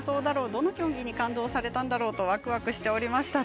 どの競技に感動されたんだろうとワクワクしておりました。